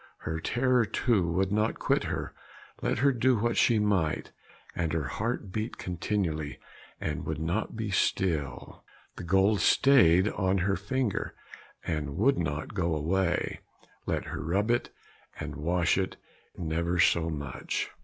Her terror too would not quit her, let her do what she might, and her heart beat continually and would not be still; the gold too stayed on her finger, and would not go away, let her rub it and wash it never so much.